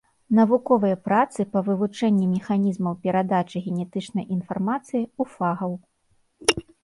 Навуковыя працы па вывучэнні механізмаў перадачы генетычнай інфармацыі ў фагаў.